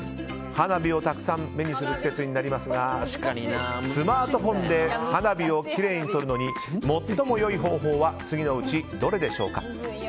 花火をたくさん目にする季節になりますがスマートフォンで花火をきれいに撮るのに最も良い方法は次のうちどれでしょうか？